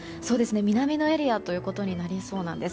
南のエリアということになりそうなんです。